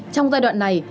trong giai đoạn này